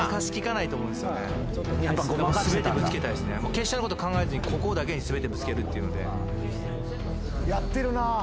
決勝のこと考えずにここだけに全てぶつけるっていうので。